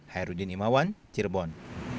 hairudin imawan cirebon